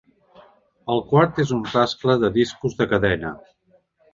El quart és un rascle de discos de cadena.